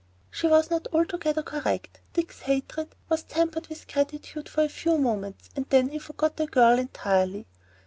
She was not altogether correct. Dick's hatred was tempered with gratitude for a few moments, and then he forgot the girl entirely.